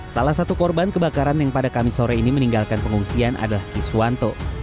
salah satu korban kebakaran yang pada kamis sore ini meninggalkan pengungsian adalah kiswanto